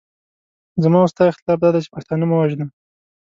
زما او ستا اختلاف دادی چې پښتانه مه وژنه.